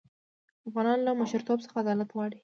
افغانان له مشرتوب څخه عدالت غواړي.